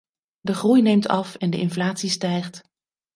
De groei neemt af en de inflatie stijgt.